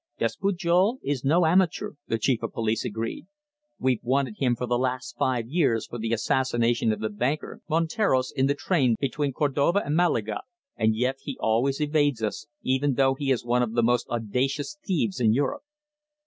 "Despujol is no amateur," the Chief of Police agreed. "We've wanted him for the last five years for the assassination of the banker, Monteros, in the train between Cordova and Malaga, and yet he always evades us, even though he is one of the most audacious thieves in Europe."